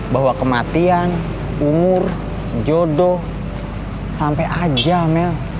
bahwa kematian umur jodoh sampai ajal mel